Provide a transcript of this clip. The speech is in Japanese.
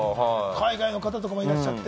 海外の方とかもいらっしゃって。